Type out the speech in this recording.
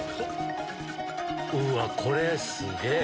うわっこれすげぇ！